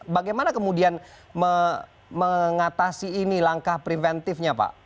bagaimana kemudian mengatasi ini langkah preventifnya pak